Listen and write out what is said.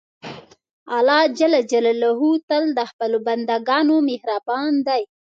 الله تل د خپلو بندهګانو مهربان دی.